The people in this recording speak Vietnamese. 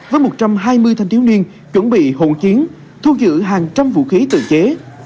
với một trăm hai mươi thanh thiếu niên chuẩn bị hồn chiến thu giữ hàng trăm vũ khí tự chế